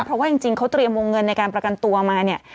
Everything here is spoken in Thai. เพราะว่าจริงเขาเตรียมวงเงินในการประกันตัวมาเนี่ย